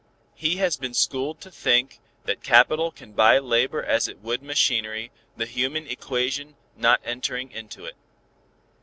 He has been schooled to think that capital can buy labor as it would machinery, the human equation not entering into it.